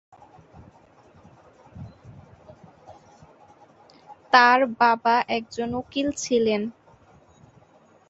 তাঁর বাবা একজন উকিল ছিলেন।